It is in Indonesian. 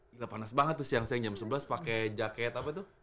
gila panas banget tuh siang siang jam sebelas pakai jaket apa tuh